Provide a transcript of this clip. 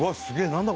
何だ？